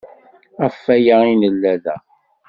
Ɣef waya ay nella da.